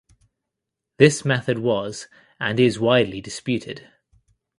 This method was and is widely disputed.